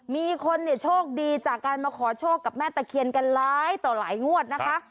มีคนเนี่ยโชคดีจากการมาขอโชคกับแม่ตะเคียนกันหลายต่อหลายงวดนะคะ